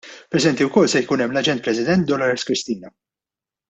Preżenti wkoll se jkun hemm l-Aġent President Dolores Cristina.